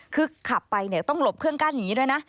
คือขับไปเนี่ยต้องหลบเครื่องกั้นอย่างนี้ด้วยนะ